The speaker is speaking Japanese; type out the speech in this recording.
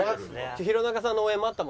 弘中さんの応援もあったもんね。